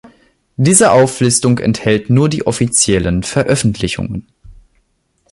Diese Auflistung enthält nur die offiziellen Veröffentlichungen.